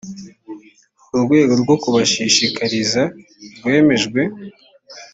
urwego rwo kubashishikariza rwemejwe.